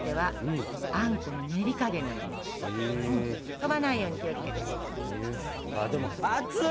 飛ばないように気をつけて。